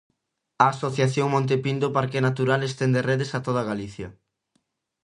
A Asociación Monte Pindo Parque Natural estende redes a toda Galicia.